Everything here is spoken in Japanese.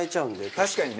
確かにね。